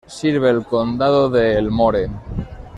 Sirve el Condado de Elmore.